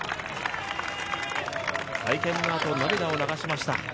会見のあと、涙を流しました。